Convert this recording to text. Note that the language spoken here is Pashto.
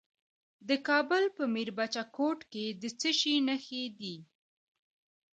د کابل په میربچه کوټ کې د څه شي نښې دي؟